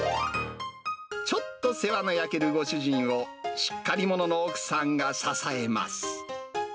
ちょっと世話の焼けるご主人を、しっかり者の奥さんが支えます。